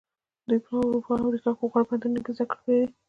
دوی په اروپا او امریکا کې په غوره پوهنتونونو کې زده کړې کړې دي.